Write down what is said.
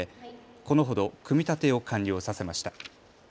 このほど組み立てを完了させました。